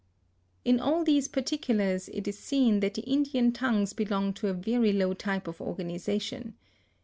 In all these particulars it is seen that the Indian tongues belong to a very low type of organization.